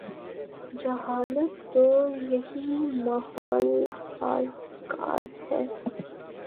جہالت کو یہی ماحول سازگار ہے۔